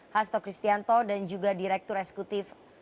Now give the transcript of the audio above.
hasto kristianto dan juga direktur eksekutif